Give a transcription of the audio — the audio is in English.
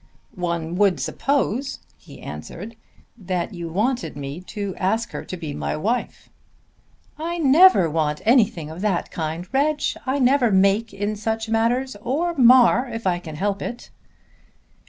"One would suppose," he answered, "that you wanted me to ask her to be my wife." "I never want anything of that kind, Reg. I never make in such matters, or mar if I can help it."